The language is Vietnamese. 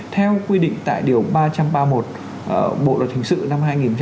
theo quy định tại điều ba trăm ba mươi một bộ luật hình sự năm hai nghìn một mươi năm